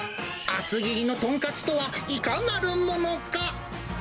厚切りのとんかつとはいかなるものか。